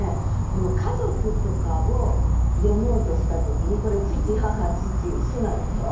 この家族とかを詠もうとした時にこれ父母父姉妹でしょ？